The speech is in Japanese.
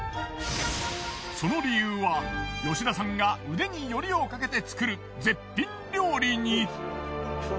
その理由は吉田さんが腕によりをかけて作る絶品料理に。